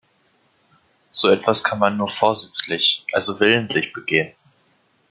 So etwas kann man nur vorsätzlich, also willentlich begehen.